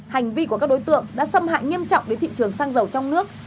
hành vi của các đối tượng đã xâm hại nghiêm trọng đến thị trường xăng dầu trong nước